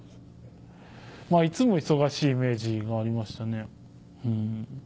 いつも忙しいイメージがありましたね。